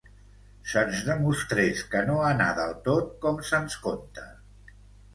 se'ns demostrés que no anà del tot com se'ns conta